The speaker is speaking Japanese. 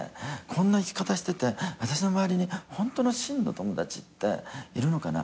こんな生き方してて私の周りにホントの真の友達っているのかな。